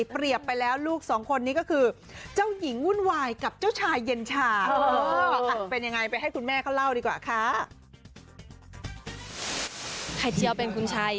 เปรียบไปแล้วลูกสองคนนี้ก็คือเจ้าหญิงวุ่นวายกับเจ้าชายเย็นชา